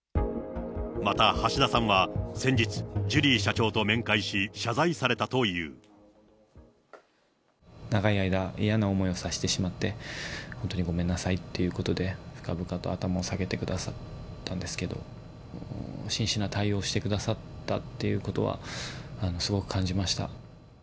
また橋田さんは先日、ジュリー社長と面会し、謝罪されたとい長い間、嫌な思いをさせてしまって本当にごめんなさいっていうことで、深々と頭を下げてくださったんですけど、真摯な対応をしてくださったっていうことはすごく感じました。